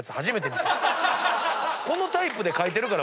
このタイプで描いてるから。